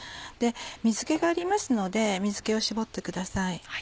水気がありますので水気を絞ってください。